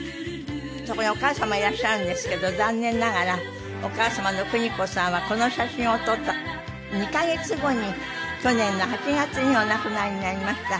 そこにお母様いらっしゃるんですけど残念ながらお母様の久仁子さんはこの写真を撮った２カ月後に去年の８月にお亡くなりになりました。